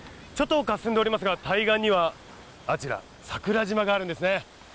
ちょっとかすんでおりますが対岸にはあちら桜島があるんですね。